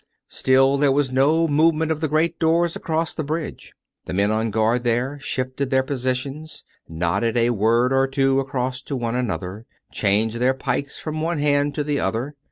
Still there was no movement of the great doors across the bridge. The men on guard there shifted their positions; nodded a word or two across to one another ; changed their pikes from one hand to the other.